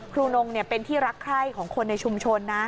ครูนงเป็นที่รักไข้ของคนในชุมชน